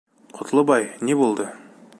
Ҡотлобай, ни булды?